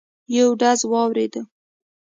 یو ډز واورېد.